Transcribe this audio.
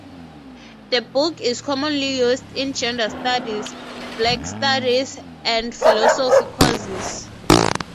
The book is commonly used in gender studies, Black studies, and philosophy courses.